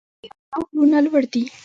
د ایران غرونه لوړ دي.